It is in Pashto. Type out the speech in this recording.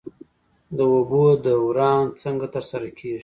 د اوبو دوران څنګه ترسره کیږي؟